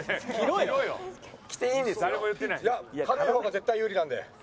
いや軽い方が絶対有利なので。